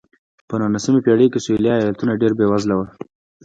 په نولسمې پېړۍ کې سوېلي ایالتونه ډېر بېوزله وو.